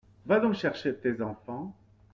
Va donc chercher tes enfants.